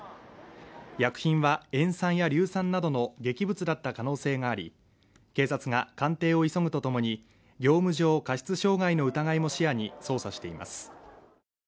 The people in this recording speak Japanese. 薬品は塩酸や硫酸などの劇物だった可能性があり警察が鑑定を急ぐとともに業務上過失傷害の疑いも視野に捜査しています